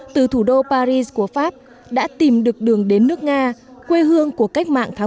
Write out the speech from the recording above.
từ thủ đô paris của pháp đã tìm được đường đến nước nga quê hương của cách mạng tháng một